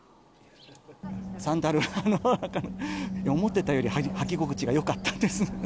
サンダルは思ってたより履き心地がよかったんです。